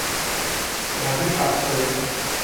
สถานที่พักฟื้น